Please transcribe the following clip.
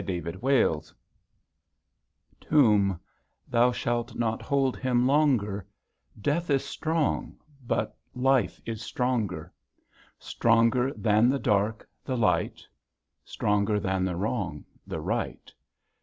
M AN EASTER CAROL OMB, thou shalt not hold Him longer; Death is strong, but Life is stronger; Stronger than the dark, the light; Stronger than the wrong, the right.